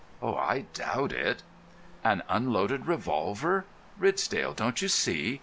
"I doubt it." "An unloaded revolver! Ridsdale, don't you see?